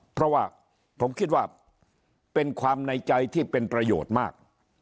เพราะว่าผมคิดว่าเป็นความในใจที่เป็นประโยชน์มาก